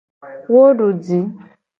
Wo du ji.